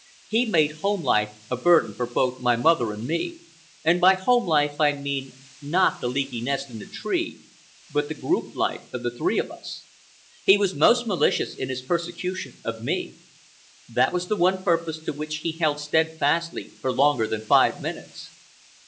He made home life a burden for both my mother and me—and by home life I mean, not the leaky nest in the tree, but the group life of the three of us. He was most malicious in his persecution of me. That was the one purpose to which he held steadfastly for longer than five minutes.